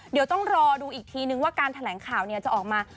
เดี๋ยวต้องรอดูอีกทีนึงว่าการแถลงข่าวจะออกมา